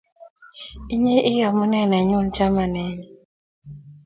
Inye ii amune nenyu chamanenyu